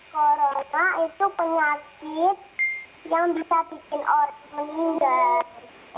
corona itu penyakit yang bisa bikin orang meninggal